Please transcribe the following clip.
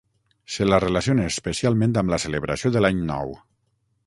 Se la relaciona especialment amb la celebració de l'Any Nou.